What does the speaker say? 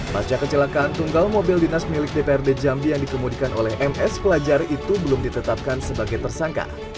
pasca kecelakaan tunggal mobil dinas milik dprd jambi yang dikemudikan oleh ms pelajar itu belum ditetapkan sebagai tersangka